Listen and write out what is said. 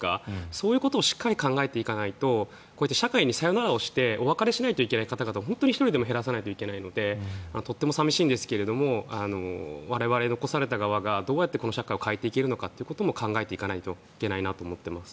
そういうことをしっかり考えていかないと社会にさよならをしてお別れしないといけない方々を１人でも減らさないといけないので本当に寂しいんですが我々、残された側がどうやってこの社会を変えていけるのかということも考えていかないといけないなと思います。